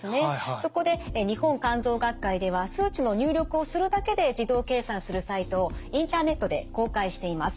そこで日本肝臓学会では数値の入力をするだけで自動計算するサイトをインターネットで公開しています。